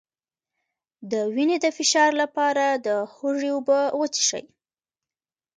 د وینې د فشار لپاره د هوږې اوبه وڅښئ